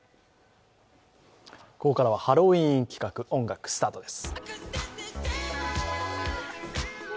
ここからはハロウィーン企画音楽スタートです。